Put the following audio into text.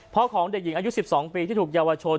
ของเด็กหญิงอายุ๑๒ปีที่ถูกเยาวชน